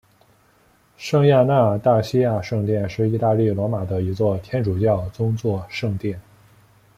圣亚纳大西亚圣殿是意大利罗马的一座天主教宗座圣殿。